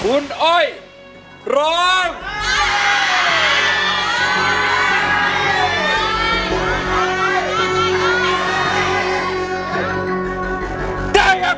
คุณร้องได้ให้ร้าง